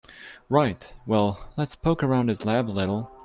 Right, well let's poke around his lab a little.